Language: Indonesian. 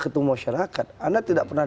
ketemu masyarakat anda tidak pernah